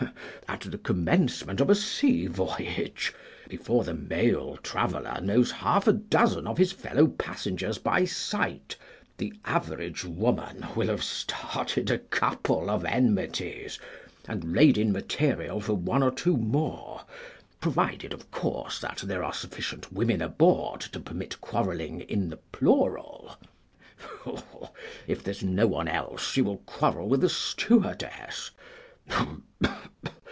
At the commencement of a sea voyage, before the male traveller knows half a dozen of his fellow passengers by sight, the average woman will have started a couple of enmities, and laid in material for one or two more—provided, of course, that there are sufficient women aboard to permit quarrelling in the plural. If there's no one else she will quarrel with the stewardess.